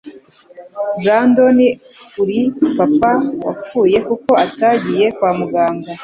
Brandon, uri papa wapfuye kuko atagiye kwa muganga.